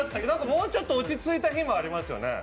もうちょっと落ち着いた日もありますよね？